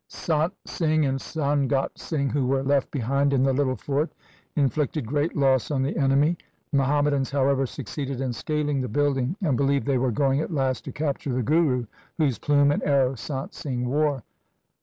Sant Singh and Sangat Singh, who were left behind in the little fort, inflicted great loss on the enemy. The Muhammadans, however, succeeded in scaling the building and believed they were going at last to capture the Guru whose plume and arrow Sant Singh wore.